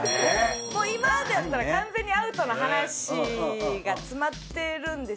今だったら完全にアウトな話が詰まってるんですよね。